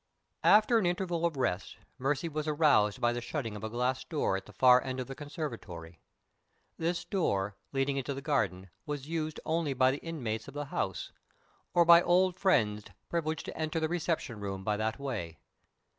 After an interval of rest Mercy was aroused by the shutting of a glass door at the far end of the conservatory. This door, leading into the garden, was used only by the inmates of the house, or by old friends privileged to enter the reception rooms by that way.